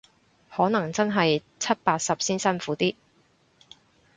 可能真係七八十先辛苦啲